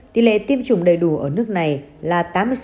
tiêm chủng đầy đủ ở nước này là tám mươi sáu năm